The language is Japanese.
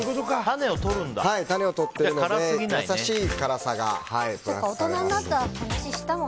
種を取っているので優しい辛さがプラスされます。